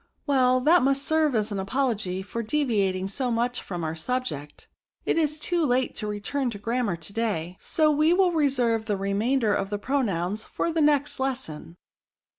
" Well, tliat must serve as an apology for deviating so much from our subject. It is too late to return to the grammar to day, so we will reserve the remainder of the pro nouns for the next lesson."